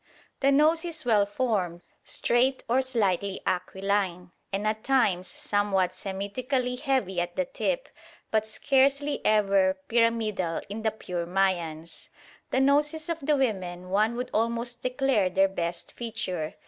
The nose is well formed, straight or slightly aquiline, and at times somewhat Semitically heavy at the tip; but scarcely ever pyramidal in the pure Mayans. The noses of the women one would almost declare their best feature.